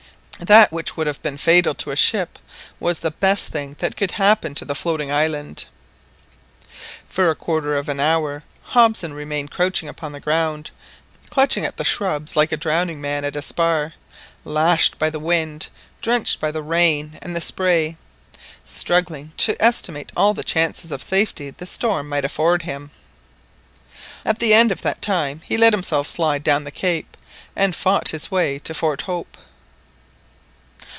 That which would have been fatal to a ship was the best thing that could happen to the floating island. For a quarter of an hour Hobson remained crouching upon the ground, clutching at the shrubs like a drowning man at a spar, lashed by the wind, drenched by the rain and the spray, struggling to estimate all the chances of safety the storm might afford him. At the end of that time he let himself slide down the cape, and fought his way to Fort Hope.